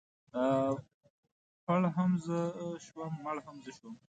ـ پړ هم زه شوم مړ هم زه شوم.